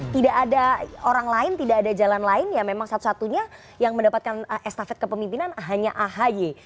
tidak ada orang lain tidak ada jalan lain ya memang satu satunya yang mendapatkan estafet kepemimpinan hanya ahy